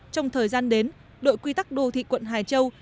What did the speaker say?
trong thời gian đến đội quy tắc đô thị quận hải châu